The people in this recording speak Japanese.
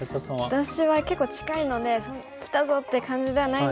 私は結構近いので来たぞっていう感じではないんですけど。